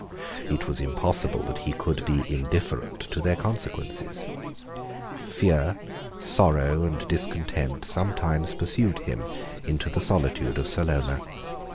It was impossible that he could be indifferent to their consequences. Fear, sorrow, and discontent, sometimes pursued him into the solitude of Salona.